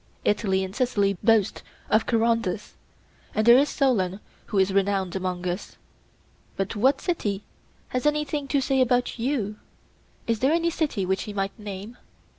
Italy and Sicily boast of Charondas, and there is Solon who is renowned among us; but what city has anything to say about you?' Is there any city which he might name?